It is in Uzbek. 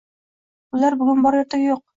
Ular bugun bor, ertaga yo‘q.